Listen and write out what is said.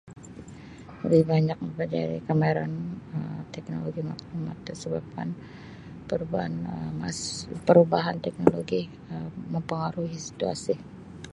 Lebih banyak [unintelligible] kemahiran teknologi maklumat disebabkan perubahan Um mas-perubahan teknologi Um mempengaruhi situasi.